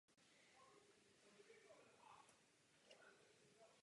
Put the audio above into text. Máme důvod mít radost a být vděční.